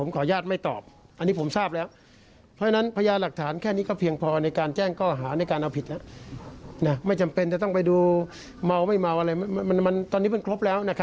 ก็ต้องพูดให้ชัดเจนไม่ชี้นำสังคมค่ะ